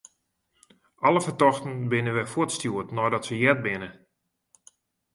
Alle fertochten binne wer fuortstjoerd neidat se heard binne.